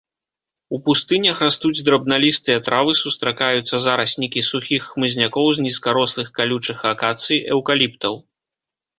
У пустынях растуць драбналістыя травы, сустракаюцца зараснікі сухіх хмызнякоў з нізкарослых калючых акацый, эўкаліптаў.